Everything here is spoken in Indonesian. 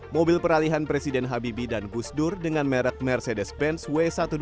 mobil peralihan presiden habibie dan gusdur dengan merek mercedes benz w satu ratus dua belas